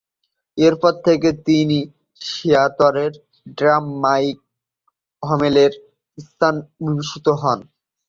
এরপর থেকে তিনি সিয়াটলের ড্রামার মাইক হমেলের স্থলাভিষিক্ত হন।